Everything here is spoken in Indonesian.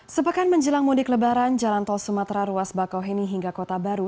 sepekan menjelang mudik lebaran jalan tol sumatera ruas bakauheni hingga kota baru